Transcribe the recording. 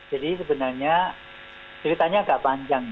jadi sebenarnya ceritanya agak panjang